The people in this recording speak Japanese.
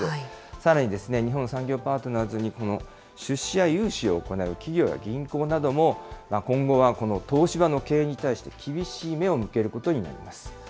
さらにですね、日本産業パートナーズに出資や融資を行う、企業や銀行なども、今後はこの東芝の経営に対して厳しい目を向けることになります。